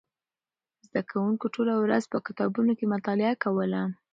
زده کوونکو ټوله ورځ په کتابتون کې مطالعه کوله.